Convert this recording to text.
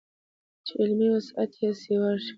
چې علمي وسعت ئې سېوا شي